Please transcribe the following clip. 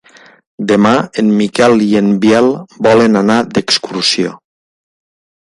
Demà en Miquel i en Biel volen anar d'excursió.